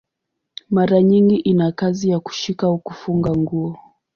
Mara nyingi ina kazi ya kushika au kufunga nguo.